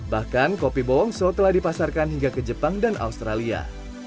bahkan kopi bowongso telah dipasarkan hingga ke jepang dan australia